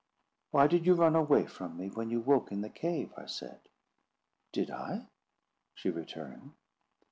"Why did you run away from me when you woke in the cave?" I said. "Did I?" she returned.